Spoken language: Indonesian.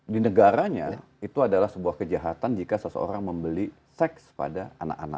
di negaranya itu adalah sebuah kejahatan jika seseorang membeli seks pada anak anak